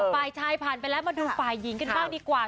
ฝ่ายชายผ่านไปแล้วมาดูฝ่ายหญิงกันบ้างดีกว่า